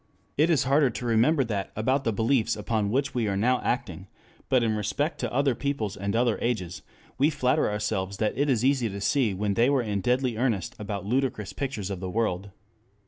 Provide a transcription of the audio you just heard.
It is harder to remember that about the beliefs upon which we are now acting, but in respect to other peoples and other ages we flatter ourselves that it is easy to see when they were in deadly earnest about ludicrous pictures of the world.